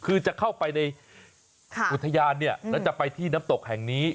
คือจะเข้าไปในอุทยานเนี่ยแล้วจะไปที่น้ำตกแห่งนี้